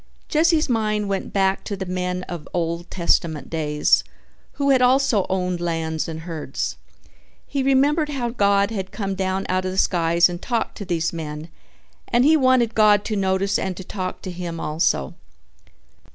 Jesse's mind went back to the men of Old Testament days who had also owned lands and herds. He remembered how God had come down out of the skies and talked to these men and he wanted God to notice and to talk to him also.